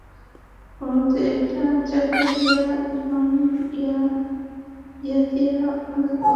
সম্ভবত এটা যাকারিয়া ইবন ইয়াহয়া আল ওক্কাদ আল মিসরীর মনগড়া বর্ণনা।